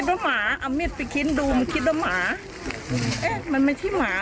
ก็หมาเอามีดไปคิ้นดูมันคิดว่าหมาเอ๊ะมันไม่ใช่หมา